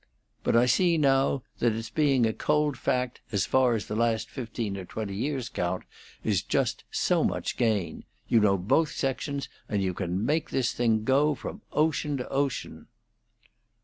But I see now that its being a cold fact, as far as the last fifteen or twenty years count, is just so much gain. You know both sections, and you can make this thing go, from ocean to ocean."